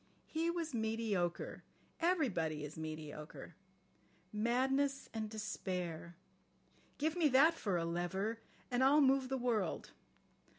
He was mediocre. Everybody is mediocre. Madness and despair! Give me that for a lever, and I'll move the world.